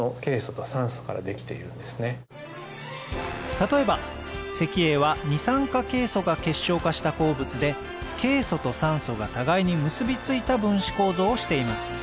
例えば石英は二酸化ケイ素が結晶化した鉱物でケイ素と酸素が互いに結び付いた分子構造をしています